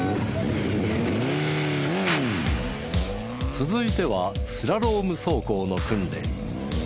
続いてはスラローム走行の訓練。